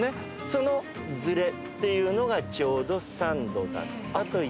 そのズレっていうのがちょうど３度だったということです。